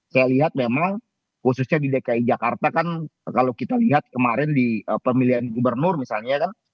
saya lihat memang khususnya di dki jakarta kan kalau kita lihat kemarin di pemilihan gubernur misalnya kan